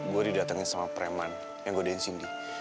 gua didatengin sama preman yang gua dehin cindy